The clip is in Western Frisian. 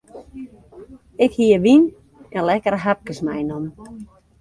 Ik hie wyn en lekkere hapkes meinommen.